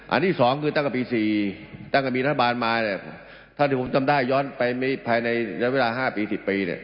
อันที่สองคือตั้งแต่ปี๔ตั้งแต่มีรัฐบาลมาถ้าที่ผมจำได้ย้อนไปในเวลา๕๑๐ปี